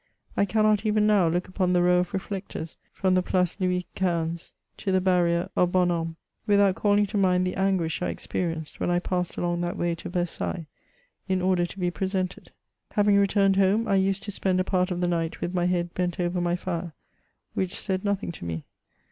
I cannot even now look upon the row of reflectors from the Place Louis XV. to the barrier of Bons Hommes, without calling to mind the anguish I experienced, when I passed along that way to Versailles, in order to be presented. Having returned home, I used to spend a part of the night with my head bent over my fire, which said nothing to me.